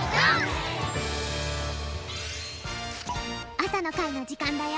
あさのかいのじかんだよ！